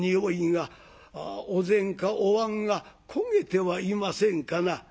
お膳かおわんが焦げてはいませんかな？」。